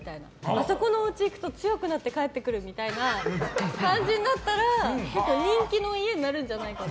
あそこのおうち行くと強くなって帰ってくるみたいな感じになったら結構、人気の家になるんじゃないかなと。